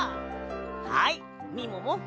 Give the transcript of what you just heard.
はいみもも。